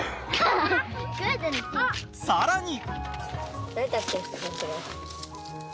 ［さらに！］